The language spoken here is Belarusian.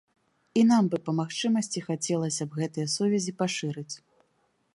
І нам бы па магчымасці хацелася б гэтыя сувязі пашырыць.